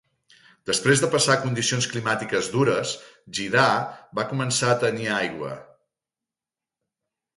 Després de passar condicions climàtiques dures, Jiddah va començar a tenir aigua.